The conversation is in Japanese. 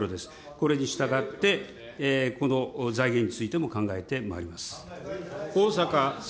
これにしたがって、この財源についても考えてまいります。